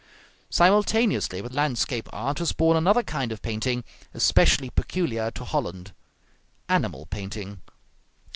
Simultaneously with landscape art was born another kind of painting, especially peculiar to Holland, animal painting.